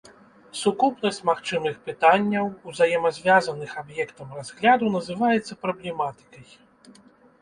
Сукупнасць магчымых пытанняў, узаемазвязаных аб'ектам разгляду, называецца праблематыкай.